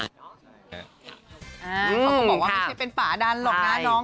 เขาก็บอกว่าไม่ใช่เป็นป่าดันหรอกนะน้อง